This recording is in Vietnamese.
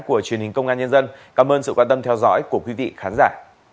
của truyền hình công an nhân dân cảm ơn sự quan tâm theo dõi của quý vị khán giả